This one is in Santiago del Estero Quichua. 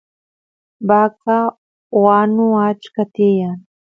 vaca wanu achka tiyan